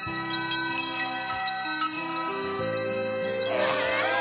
うわ！